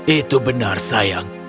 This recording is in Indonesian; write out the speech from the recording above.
itu benar sayang